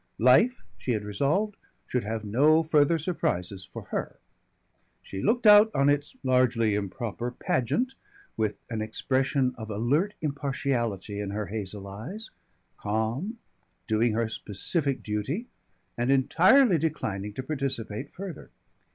Life she had resolved should have no further surprises for her. She looked out on its (largely improper) pageant with an expression of alert impartiality in her hazel eyes, calm, doing her specific duty, and entirely declining to participate further.